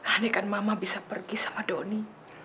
anehkan mama bisa pergi sama doni